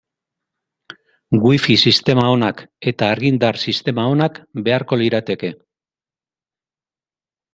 Wifi sistema onak eta argindar sistema onak beharko lirateke.